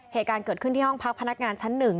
เหตุการณ์เกิดขึ้นที่ห้องพักพนักงานชั้น๑